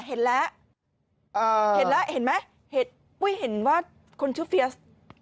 เห็นแล้วเห็นไหมเห็นว่าคนชื่อเฟียส